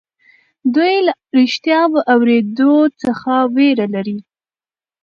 دوی له رښتيا اورېدو څخه وېره لري.